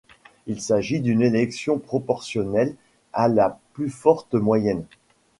Il s'agit d'une élection proportionnelle à la plus forte moyenne.